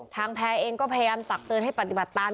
แพร่เองก็พยายามตักเตือนให้ปฏิบัติตาม